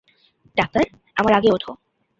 Doctor, আমার আগে ওঠো!